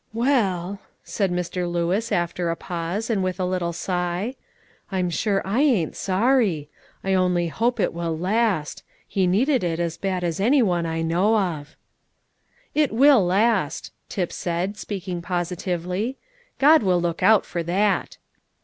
"Well," said Mr. Lewis, after a pause, and with a little sigh, "I'm sure I ain't sorry. I only hope it will last; he needed it as bad as any one I know of." "It will last," Tip said, speaking positively. "God will look out for that."